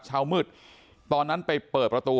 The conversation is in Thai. เช้ามืดตอนนั้นไปเปิดประตู